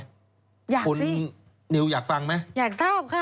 อยากสิอยากทราบค่ะคุณนิวอยากฟังไหม